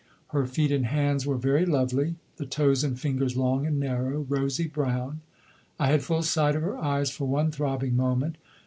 Her feet and hands were very lovely, the toes and fingers long and narrow, rosy brown. I had full sight of her eyes for one throbbing moment.